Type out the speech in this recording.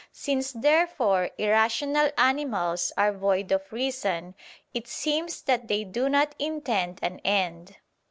Since therefore irrational animals are void of reason, it seems that they do not intend an end.